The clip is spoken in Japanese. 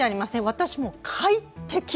私、もう快適。